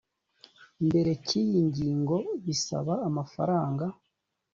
mbere cy iyi ngingo bisaba amafaranga